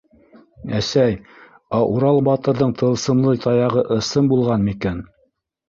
Әсәй, ә Урал батырҙың тылсымлы таяғы ысын булған микән?